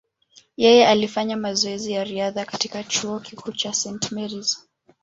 Yeye alifanya mazoezi ya riadha katika chuo kikuu cha St. Mary’s.